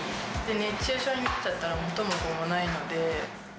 熱中症になっちゃったら、元も子もないので。